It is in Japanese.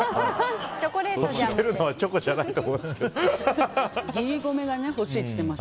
欲しているのはチョコじゃないと思いますが。